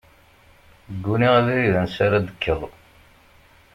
Gguniɣ abrid ansi ara d-tekkeḍ.